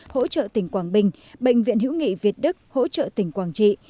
hỗ trợ tỉnh quảng bình bệnh viện hữu nghị việt đức hỗ trợ tỉnh quảng trị